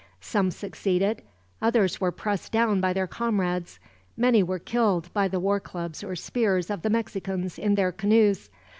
Some succeeded, others were pressed down by their comrades. Many were killed by the war clubs or spears of the Mexicans in their canoes.